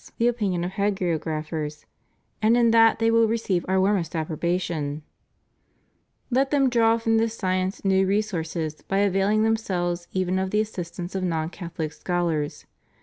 iii., cap. ii. THE BIBLICAL COMMISSION. 541 opinion of hagiographers ; and in that they will receive Our warmest approbation. Let them draw from this sci ence new resources by availing themselves even of the as sistance of non Catholic scholars.